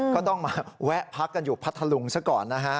ก็ต้องมาแวะพักกันอยู่พัทธลุงซะก่อนนะฮะ